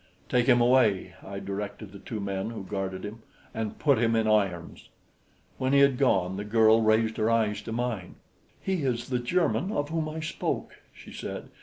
"Take him away," I directed the two men who guarded him, "and put him in irons." When he had gone, the girl raised her eyes to mine. "He is the German of whom I spoke," she said.